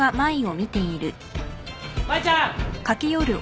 舞ちゃん！